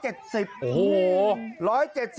โอ้โห